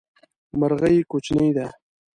مرغی کوچنی ده